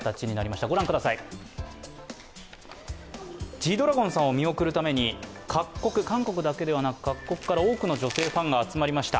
Ｇ−ＤＲＡＧＯＮさんを見送るために、韓国だけではなく各国から多くの女性ファンが集まりました。